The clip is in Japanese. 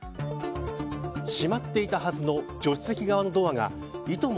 閉まっていたはずの助手席側のドアがいとも